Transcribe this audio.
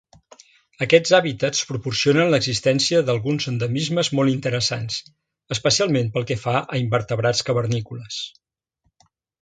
Aquests hàbitats propicien l’existència d’alguns endemismes molt interessants, especialment pel que fa a invertebrats cavernícoles.